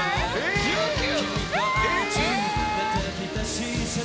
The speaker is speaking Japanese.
１９！？